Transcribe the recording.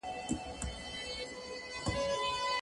زبون د خوار او ذلیل په مانا کارول شوی دی.